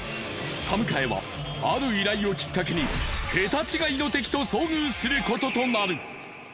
田迎はある依頼をきっかけにケタ違いの敵と遭遇することとなる。